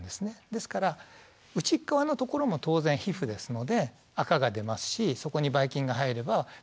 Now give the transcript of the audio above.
ですから内側のところも当然皮膚ですのであかが出ますしそこにばい菌が入れば不潔になります。